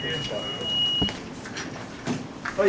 はい。